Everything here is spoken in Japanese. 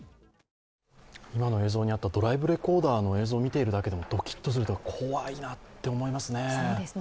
今の映像にあったドライブレコーダーの映像を見るだけでもドキッとする、怖いなと思いますね